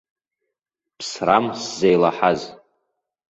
Ԥсрам сзеилаҳаз.